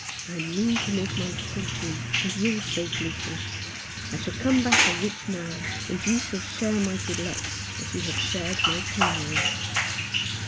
I mean to make my fortune, for your sake, Lisa. I shall come back a rich man, and you shall share my good luck, as you have shared my penury."